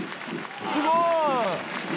すごい！